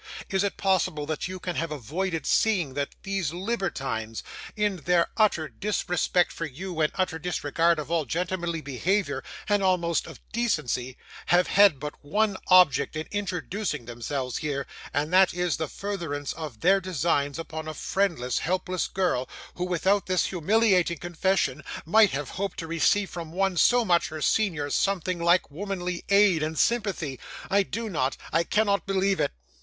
Is it possible that you can have avoided seeing, that these libertines, in their utter disrespect for you, and utter disregard of all gentlemanly behaviour, and almost of decency, have had but one object in introducing themselves here, and that the furtherance of their designs upon a friendless, helpless girl, who, without this humiliating confession, might have hoped to receive from one so much her senior something like womanly aid and sympathy? I do not I cannot believe it!